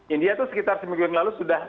india itu sekitar seminggu yang lalu sudah